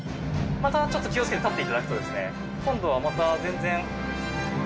またちょっと気を付けて立っていただくとですね今度はまた全然。